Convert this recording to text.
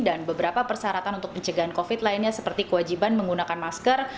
dan beberapa persyaratan untuk pencegahan covid lainnya seperti kewajiban menggunakan masker